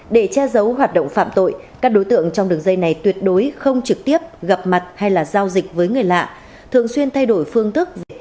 để che giấu hoạt động phạm tội các đối tượng trong đường dây này tuyệt đối không trực tiếp gặp mặt hay là giao dịch với người lạ thường xuyên thay đổi phương thức